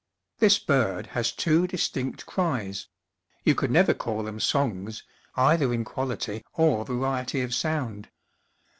This bird has two distinct cries you could never call them songs, either in quality or variety of sound.